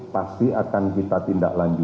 pasti akan kita tindak lanjut